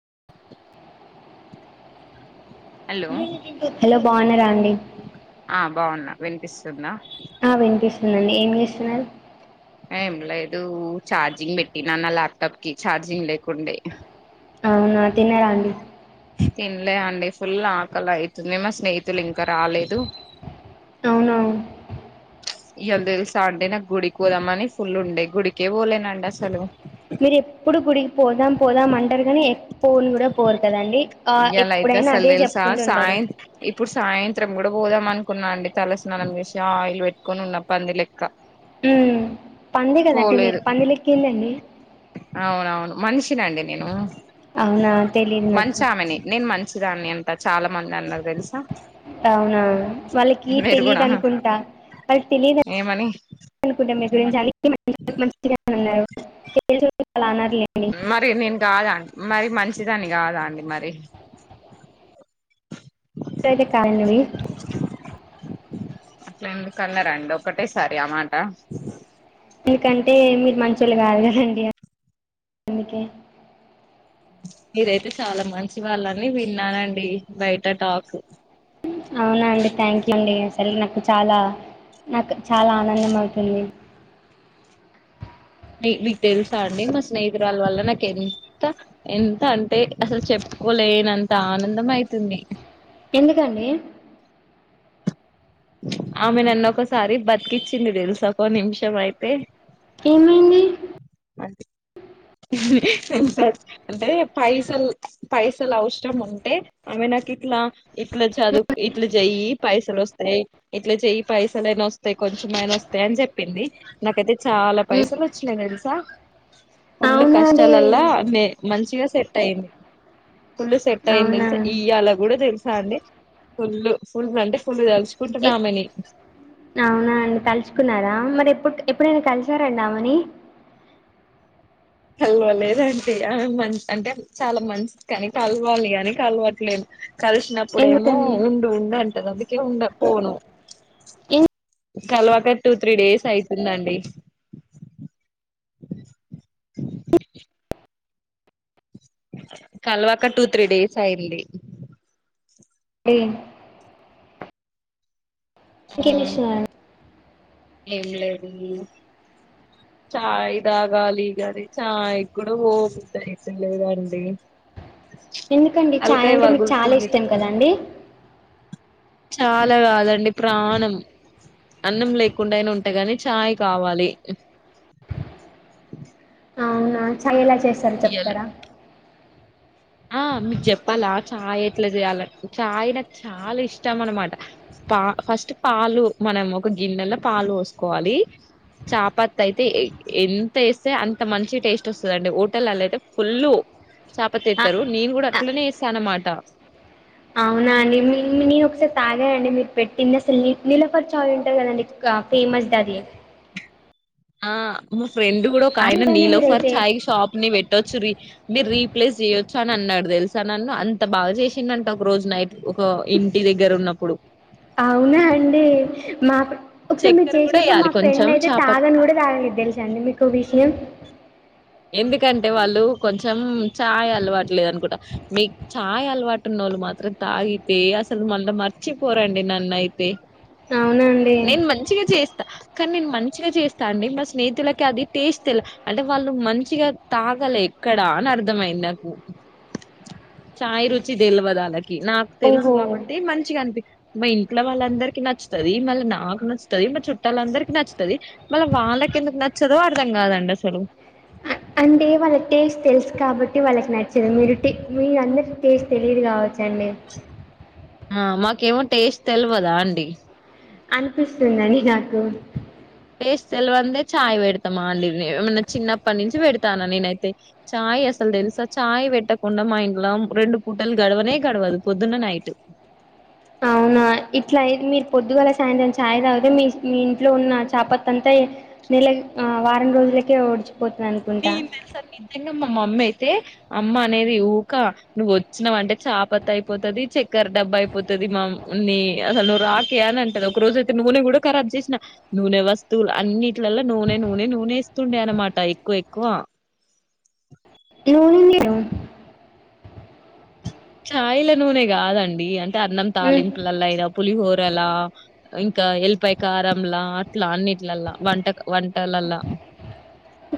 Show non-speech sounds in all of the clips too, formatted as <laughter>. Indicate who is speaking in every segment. Speaker 1: <unintelligible>
Speaker 2: Hello
Speaker 1: hello బాగున్నారా అం
Speaker 2: ఆ బాగున్నా వినిపిస్తుందా
Speaker 1: ఆ వినిపిస్తందండి ఏం చేస్తున్నారు
Speaker 2: ఏం లేదు ఛార్జింగ్ పెట్టినా నా లాప్టాటాప్ కి ఛార్జింగ్ లేకుండే
Speaker 1: అవునా తిన్నారా అండి
Speaker 2: తినలే అండి ఫుల్ ఆకలి అవుంతుంది మా స్నేహితులు ఇంకా రాలేదు
Speaker 1: అవునా
Speaker 2: ఇయాలా తెలుసా అండీ నాకు గుడికి పోదామని ఫుల్ ఉండే గుడికే పోలేనండి అసలు
Speaker 1: మీరు ఎప్పుడు గుడికి పోదాం పోదాం అంటారు కానీ పోన్ కూడా పోరు కదండి ఆ
Speaker 2: ఇయ్యాల అయితే
Speaker 1: ఎప్పుడైనా
Speaker 2: అసలు
Speaker 1: అదే
Speaker 2: తెలుసా
Speaker 1: చెప్పుకుంటూ ఉంటారు
Speaker 2: సాయం ఇప్పుడు సాయంత్రం కూడా పోదాం అనుకున్నా అండి తల స్నానం చేసి ఆయిల్ పెట్టుకొని ఉన్న పంది లెక్క
Speaker 1: ఉ పందె కాదండి మీరు
Speaker 2: పోలేదు
Speaker 1: పంది లెక్కిందండి
Speaker 2: అవునవును మనిషినండి నేను
Speaker 1: అవునా తెలీదు నాకు
Speaker 2: మంచి ఆమెని నేను మంచి దాని అంత అన్ని అన్నారు తెలుసా
Speaker 1: అవునువును వాళ్ళకి
Speaker 2: మీరు
Speaker 1: తెలీదు
Speaker 2: కూడా
Speaker 1: అనుకుంటా వాళ్ళకి తెలీదు
Speaker 2: ఏమని
Speaker 1: అనుకుంటాం మీ గురించి మంచిగా ఉన్నారు
Speaker 2: మరి నేను కాదా మరి మంచిదాన్ని కాదా అండి మరి
Speaker 1: రెడీకయినవి
Speaker 2: అట్లా ఎందుకన్నారండి ఒకటే సరి అ మాట
Speaker 1: ఎందుకంటే మీరు మంచోళ్ళు కాదు కదండి అందుకే
Speaker 2: మీరైతే చాలా మంచి వాళ్ళని విన్నానండి బయట టాక్
Speaker 1: అవునా అండి థ్యాంక్ యూ అండి అసలు నాకు చాలా నాకు చాలా ఆనందం అవుతుంది,
Speaker 2: మీ మీకు తెల్సా అండి! మా స్నేహితురాల్ వల్ల నాకెంత, ఎంత అంటే అసలు చెప్. కోలేనంత ఆనందం అయితుంది
Speaker 1: ఎందుకండి
Speaker 2: ఆమె నన్ను ఒకసారి బతికిచింది దేల్స ఒక్కోనిమిషమైతే.
Speaker 1: ఏమైంది
Speaker 2: అన్ <unintelligible> అంటే పైసల్, పైసల్ అవ్సరం ఉంటే ఆమె. నాకిట్ల, ఇట్లా చదువు ఇట్లా జెయ్యి పైసలోస్తాయి. ఇట్లా చెయ్యి పైస్. సలైన వస్తాయి కొంచమైనా వస్తాయి అని చెప్పింది. నాకైతే చాలా
Speaker 1: ఉమ్,
Speaker 2: పైసలు వచ్చినాయి తెల్సా? ఫుల్
Speaker 1: అవునా అండి
Speaker 2: కష్టాలల్లా మే మంచిగా సెట్ అయింది. ఫుల్ సెట్ అయింది.
Speaker 1: అవునా
Speaker 2: తెల్సా ఇయ్యాల గుడా తెల్సా అండి ఫుల్, ఫుల్ అంటే ఫుల్ తెల్.
Speaker 1: ఏ అవునా అండి తలుచుకున్నారా మరి ఎప్పు <unintelligible> ఎప్పుడైనా కలిసారండి ఆమెని
Speaker 2: కల్వలేదంటీ ఆ, ఆ మన్ అంటే చాలా మంచిది కానీ కల్వలి గానీ కల్వట్లేను. కలిసినప్పుడేమో
Speaker 1: ఎందుకండి
Speaker 2: ఉండు, ఉండు అంటది అందుకే ఉండక్పోను. కల్వాక టూ, త్రీ డేస్ అయితుందండి. కల్వాక టూ త్రీ డేస్ అయ్యింది
Speaker 1: <unintelligible> మ్ ఇంకేం
Speaker 2: మ్మ్
Speaker 1: చేస్తున్నారు
Speaker 2: ఏం లేదూ చాయ్ దాగాలి గానీ చాయ్ కూడా పో బుద్ధి అయితలేదండి.
Speaker 1: ఎందుకండి చాయ్
Speaker 2: తలకాయ
Speaker 1: అంటే మీకు చాలా
Speaker 2: పగులుతుంది
Speaker 1: ఇష్టం కదండి
Speaker 2: చాలా కాదండి ప్రాణం అన్నం లేకుండైన ఉంటగానీ చాయ్ కావాలి
Speaker 1: హా చల్లగా చేస్తారు
Speaker 2: ఇయ్యాల
Speaker 1: చెప్తారా
Speaker 2: మీక్ జెప్పాలా చాయ్ ఎట్లా జెయాల. <inaudible> చాయ్ నాక్ చాలా ఇష్టం అనమాట పా. ఫస్ట్ పాలు మనం ఒక గిన్నెలో పాలు పోసుకోవాలి చాపాత్తా అయితే ఏ ఎంత ఎస్తే అంత మంచి టేస్ట్ వస్తదండి, హోటలల్లయితే ఫుల్లు. చాపత్తా
Speaker 1: ఆ,
Speaker 2: ఎత్తరు నేను కూడా
Speaker 1: ఆ,
Speaker 2: అట్లనేస్తాన్నమాట
Speaker 1: అవునా అండి నీను నీనోక్కసారి తాగాండి మీరు పెట్టింది అస్సల్ నీల్ నీలోఫర్. చాయ్ ఉంటది గదండి కా ఫేమస్ దది
Speaker 2: ఆ మా ఫ్రెండ్ కూడా ఒక ఆయన
Speaker 1: అదేనండి
Speaker 2: నీలోఫర్
Speaker 1: మీరైతే
Speaker 2: ఛాయ్ షాప్ ని పెట్ ట్టొచ్చు రీ మీరు రీప్లేస్ చేయొచ్చు అని అన్నాడు, తెల్సా నన్ను అంత బాగా చేసింనంట ఒక రోజు నైట్లో. ఒక ఇంటి దగ్గర ఉన్నప్పుడు
Speaker 1: అవునా అండి మాప్ ఒకసారి మీరు
Speaker 2: చక్కెర కూడా
Speaker 1: చేసినప్పుడు మా
Speaker 2: వేయాలి కొంచెం
Speaker 1: ఫ్రెండ్ అయితే
Speaker 2: చాప
Speaker 1: తాగన్ కూడా తాగలేదు తెల్సా అండి మీకో విషయం.
Speaker 2: ఎందుకంటే వాళ్ళు కొంచెం చాయ్ అలవాటులేదనుకుంట మీక్ చాయ్ అలవాటు ఉన్నోళ్లు మా. త్రం తాగితే అసల్ మళ్ళా మర్చిపోరండి నన్న అయితే
Speaker 1: అవునా అండి
Speaker 2: నేన్ మంచిగా చేస్ స్తా కానీ నేన్ మంచిగా చేస్తా అండి మా స్నేహితులకది టేస్ట్ తెల్ అంటే వాళ్. నువ్ మంచిగా తాగలేక్కడ అని అర్థమయింది నాకు ఛాయ్ రుచి తెల్వదాల్లకి నాక్ తెలుసు
Speaker 1: ఓహో
Speaker 2: కాబ మంచిగా అంది మీ ఇంట్లో వాళ్ళందరికి నచ్చుతాది మళ్ళీ నాకు నచ్చుతాది మా చుట్టాలందరికి నచ్చుతాది మళ్ళా వాళ్ళకు ఎందుకు నచ్చదో అర్థం కాదండి అసలు
Speaker 1: అ అంటే వాళ్ళకి టేస్ట్ తెలుసు కాబట్టి వాళ్ళకి నచ్చదు మీరు మీ అందరి టేస్ట్ తెలియదు కావచ్చు ఎన్ని
Speaker 2: ఆ మాకేమో టేస్ట్ తెలవదా అండి
Speaker 1: అనిపిస్తుందని నాకు
Speaker 2: టెస్ట్ తెలవందే చాయ్ పెడతామా అండి మేము ఏమన్నా చిన్నప్పటి నుంచి పెడతన్న నేనయితే చాయ్ అసల్ తెలుసా చాయ్ పెట్టకుండా మా ఇంట్లో రెండు పూటల గడవనే గడవదు పొదున్న నైట్
Speaker 1: అవునా ఇట్లాయి మీరు పొద్దుగల సాయంత్రం చాయ్ తాగితే మీ మీ ఇంట్లో ఉన్న చపత్త అంతా నెల ఆ వారం రోజులకే ఒడ్చ్
Speaker 2: మిము తెలుసా మీ ఇద్దర్ మా మమ్మీ అయితే అమ్మ అనేది ఊక నువ్వు వచ్చినావంటే చాపత్త అయిపోతాది చెక్క చెక్కెర డబ్బా అయిపోతాది మా నీ అసలు నువ్వు రాకే అని అంటది ఒక రోజు అయితే నూనె కూడా ఖరాబ్ చేసినా నూనె వస్తువులు అన్నిటిలలో నూనె నూనె నూనె వేస్తుండే అనమాట ఎక్కువ ఎక్కువ
Speaker 1: ఉన్యా ఆ
Speaker 2: చాయ్ లో నూనె కాదండి అంటే అన్నం
Speaker 1: మ్
Speaker 2: తాలింపులలో అయినమ్ పులిహోరలా ఇంకా ఎల్లిపాయ కారంలా అట్లా అన్నిట్లలా వంట వంటల అల్లా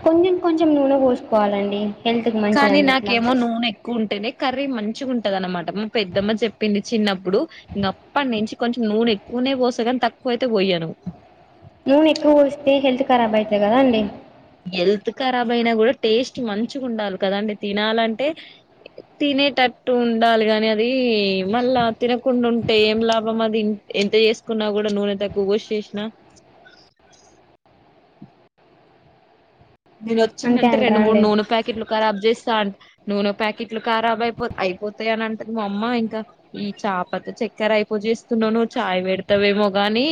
Speaker 1: కొంచెం కొంచెం నూనె పోసుకోవాలండి హెల్త్కి
Speaker 2: కానీ
Speaker 1: మంచిదండి అట్లా
Speaker 2: నాకేమో నూనె ఎక్కువ ఉంటేనే కర్రీ మంచిగా ఉంటందానమాట మా పెద్దమ్మ చెప్పింది చిన్నప్పుడు ఇంక అప్పటి నుంచి కొంచెం నూనె ఎక్కువనే పోస్తా కాని తక్కువ అయితే పొయ్యాను
Speaker 1: నూనె ఎక్కువ పోస్తే హెల్త్ కారాబ్ అయితాది కదా అండి
Speaker 2: హెల్త్ కరాబ్ అయినా కూడా టేస్ట్ మంచిగా ఉండాల కదండి తినాలంటే తినేటట్టు ఉండాలి గాని అది మళ్ళా తినకుండా ఉంటే ఏం లాభం అది ఎంత చేసుకున్నా కూడా నూనె తక్కవ పోసి చేసినా
Speaker 1: అ
Speaker 2: నేను వచ్చిండంటే రెండు
Speaker 1: అంటారా
Speaker 2: మూడు
Speaker 1: అండి
Speaker 2: నూనె ప్యాకెట్లు కారాబ్ చేస్తా అ నూనె ప్యాకెట్లు కారాబ్ అయిపోతా అయిపోతాయ అని అంటుంది మా అమ్మ ఇంకా ఈ చపత చక్కెర అయిపో చేస్తున్నా నువ్ చాయ్ పెడతావేమో గాని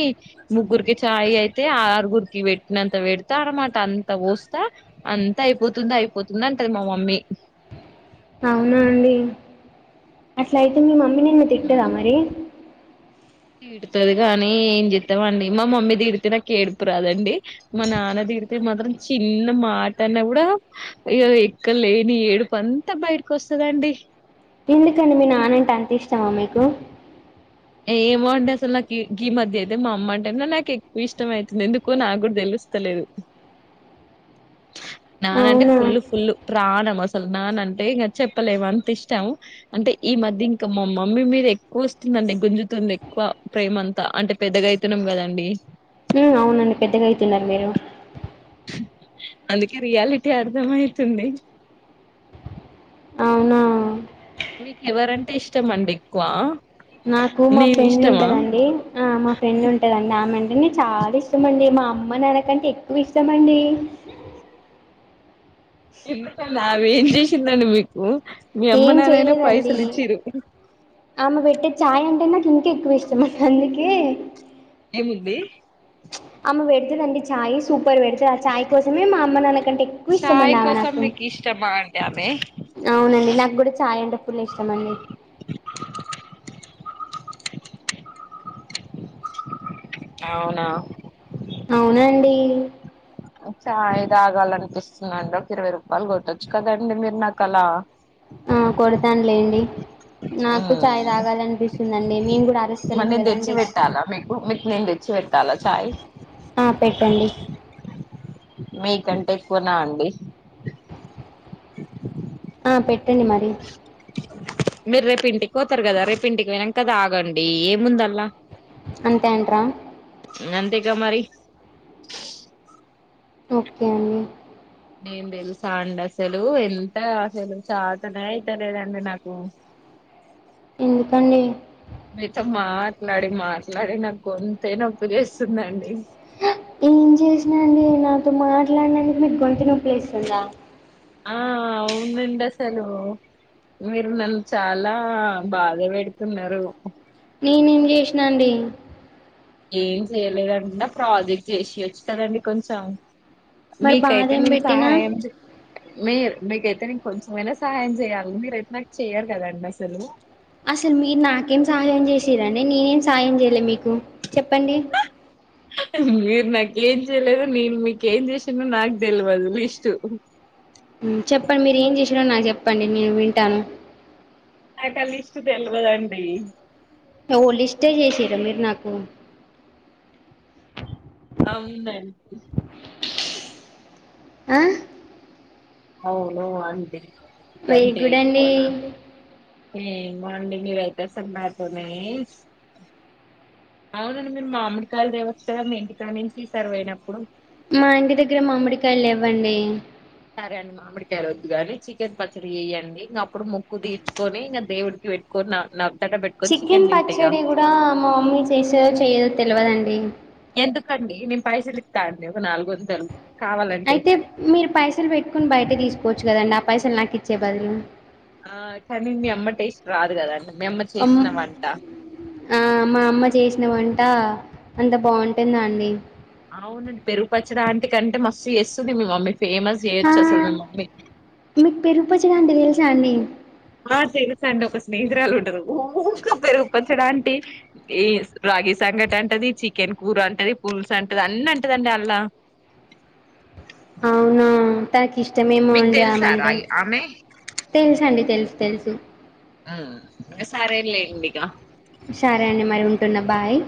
Speaker 2: ముగ్గురికి చాయ్ అయితే ఆరుగురికి పెట్టినంత పెడిత అనమాట అంత పోస్ అంత అయిపోతుంది అయిపోతుంది అంటుంది మా మమ్మీ
Speaker 1: అవునా అండి అట్లా అయితే మీ మమ్మీ నిన్ను తిట్టదా మరి
Speaker 2: తిడుతాది కానీ ఏం చెస్తామండి మా మమ్మీ తిడితే నాకు ఏడుపు రాదండి మా నాన్న తిడితే మాత్రం చిన్న మాట అన్న కూడా ఇక ఎక్కడ లేని ఏడుపుంతా బయటకు వస్తాద అండి
Speaker 1: ఎందుకండి మీ నాన్న అంటే అంత ఇష్టమా మీకు
Speaker 2: ఏమో అండి అసలు నాకు గీ మధ్య అయితే మా అమ్మ అంటే నాకు ఎక్కువ ఇష్టం అయితుంది ఎందుకో నాకు కూడా తెలు స్తాలేదు నాన్న అంటే
Speaker 1: అవునా
Speaker 2: ఫుల్ ఫుల్ ప్రాణం అసలు నాన్నంటే ఇంకా చెప్పలేము అంత ఇష్టం అంటే ఈ మధ్య ఇంకా మా మమ్మీ మీద ఎక్కువ వస్తుందండి గుంజుతుంది ఎక్కువ ప్రేమ అంతా అంటే పెద్దగైతున్నాం కదండి.
Speaker 1: ఉ అవునండి పెద్దగైతున్నారు మీరు
Speaker 2: అందుకే రియాలిటీ అర్థమైతుంది
Speaker 1: అవునా
Speaker 2: మీకు ఎవరంటే ఇష్టం అండి ఎక్కువ
Speaker 1: నాకు మా
Speaker 2: నేను
Speaker 1: ఫ్రెండ్
Speaker 2: ఇష్టమా
Speaker 1: ఉంటదండి ఆ మా ఫ్రెండ్ ఉంటదండి ఆమె విన్ని చాలా ఇష్టమండి మా అమ్మ నాన్నకంటే ఎక్కువ ఇష్టమండి.
Speaker 2: ఎందుకండీ ఆమె ఏం చేసిందండి మీకు మీ అమ్మ
Speaker 1: ఏం
Speaker 2: నాన్నైనా
Speaker 1: చెయలేదండి
Speaker 2: పైసలు ఇచ్చిరు
Speaker 1: ఆమె పెట్టే చాయ్ అంటే నాక్ ఇంకెక్కువ ఇష్టం అండి అందుకే
Speaker 2: ఏముంది
Speaker 1: చ్ ఆమె పెడతాదండీ చాయి సూప్ పర్ పెడుతాది ఆ చాయ్ కోసమే మా అమ్మ నాన్నకంటే ఎక్కువ
Speaker 2: చాయ్
Speaker 1: ఇష్టమండి ఆమె
Speaker 2: కోసం
Speaker 1: నాకు.
Speaker 2: మీకు ఇష్టమా అండి ఆమె
Speaker 1: అవునండి నాకు కూడా చాయ్ అంటే పుల్ ఇష్టం అండి.
Speaker 2: అవునా
Speaker 1: అవునండి
Speaker 2: చాయ్ తాగాలనిపిస్తున్నాండి ఒక ఇరవై రూపాయలు కొట్టొచ్చు కదండి మీరు నాకు అలా.
Speaker 1: ఆ కొడతానులేండి
Speaker 2: ఉ
Speaker 1: నాకు ఛాయ్ తాగాలనిపిస్తుందండి మేము కూడా
Speaker 2: మరి
Speaker 1: అరుస్తలేం
Speaker 2: నేను తెచ్చి
Speaker 1: కదండి
Speaker 2: పెట్టాలా మీకు మీకు నేను తెచ్చి పె ట్టాలా చాయ్
Speaker 1: ఆ పెట్టండి
Speaker 2: మీకంటే ఎక్కువనా అండి
Speaker 1: ఆ పెట్టండి మరి
Speaker 2: మీరు రేపు ఇంటికి పోతారు కదా రేపు ఇంటికి పోయినాక కదా తాగండి ఏముందల్లా.
Speaker 1: అంతే అంట్రా
Speaker 2: అంతేగా మరి
Speaker 1: ఓకే అండి
Speaker 2: నేను తెలుసా అండి అసలు ఎంత అసలు చాతనే అయితలేదండి నాకు.
Speaker 1: ఎందుకండి
Speaker 2: మీతో మాట్లాడి మాట్లాడి నాకు గొంతే నొప్పి చేస్తుందండి.
Speaker 1: ఏం చేసిన నేను నాతో మాట్లాడినందుకు మీకు గొంత నొప్పి లేస్తాందా.
Speaker 2: ఆ అవునండి అసలు మీరు నన్ను చాలా బాధ పెడుతున్నారు
Speaker 1: నినేమ్ చేసినా అండి
Speaker 2: ఏం చేయలేదన్న ప్రాజెక్ట్ చేసి వచ్చుతారండి కొంచెం
Speaker 1: మరి బాధ
Speaker 2: మీకైతే
Speaker 1: ఏం
Speaker 2: మీమ్
Speaker 1: పెట్టినా
Speaker 2: సహాయం చే మీరు మీకైతే నేను కొంచమైనా సహాయం చేయాలి మీరయితే నాకు చెయ్యరు కదండి అసలు.
Speaker 1: అసలు మీరు నాకేం సహాయం చేసిరండి నినేమ్ సహాయం చేయ్యలే మీకు. చెప్పండి
Speaker 2: మీరు నాకేం చేయలేదు నీన్ మీకేమ్ చేసినో నాకు తెల్వదు విస్టు.
Speaker 1: ఉ చెప్పండి మీరు ఏం చేసారో నాకు చెప్పండి నేను వింటాను.
Speaker 2: నాకు ఆ లిస్ట్ తెవదండి
Speaker 1: ఓ లిస్టే చేసిరా మీరు నాకు
Speaker 2: అవునండి
Speaker 1: ఆ
Speaker 2: అవును వాందే
Speaker 1: వెరీ గుడ్ అండి
Speaker 2: <unintelligible> అవునండి మీరు మామిడికాయలు తేవచ్చు కదా మీ ఇంటిక నుంచి ఈ సారి పోయినప్పుడు
Speaker 1: మా ఇంటి దగ్గర మామిడికాయలు లేవ్వండి
Speaker 2: సరే అండి మామిడికాయలు ఒద్దుగాని చికెన్ పచ్చడి చేయ్యండి ఇంక అప్పుడు ముొక్కు తీర్చుకొని ఇంకా దేవుడి వెేట్కున్న న
Speaker 1: చికెన్ పచ్చడి కూడా మా మమ్మీ చేస్తదో చెయ్యేదో తెలియదండి
Speaker 2: ఎందుకండి నేను పైసలులిత అండి ఒక నాలుగు వందలు
Speaker 1: అయితే మీరు పైసలు పెట్టుకొని బయటే తీసుకోచ్చు కదండి ఆ పైసలు నాకు ఇచ్చే బదులు
Speaker 2: ఆ కానీ మీ అమ్మ టేస్ట్ రాదు కద
Speaker 1: ఆమ్ మా అమ్మ చేసిన వన్ అంత బాగుంటుందా అండి
Speaker 2: అవునండి పెరుగు పచ్చడి ఆంటి కంటే మస్తు చేస్తుంది మీ మమ్మీ ఫేమస్
Speaker 1: ఆ,
Speaker 2: చేయచ్చు అసలు మీ మమ్మీ
Speaker 1: <unintelligible> అండి
Speaker 2: ఆ తెలుసండి ఒక స్నేహితురాలు ఉంటారు ఊకే పెరుగు <unintelligible> ఈ రాగి సంకట అంటది చికెన్ కూర అంటది పుల్స్ అంటది అన్ని అంటదండి <unintelligible>
Speaker 1: అవునా తకి ఇష్టమేమో
Speaker 2: మీకు
Speaker 1: అండి
Speaker 2: తెలుసా
Speaker 1: ఆమంటే
Speaker 2: రాగి ఆమె
Speaker 1: తెలుసు అండి తెలుసు తెలుసు
Speaker 2: సరేలెండి ఇగ
Speaker 1: సరే అండి మరి ఉంటున్న బాయ్